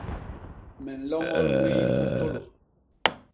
Me nloñol ñwii u tôlô.